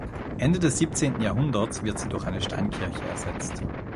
Ende des siebzehnten Jahrhunderts wird sie durch eine Steinkirche ersetzt.